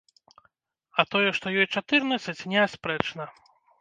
А тое, што ёй чатырнаццаць, неаспрэчна.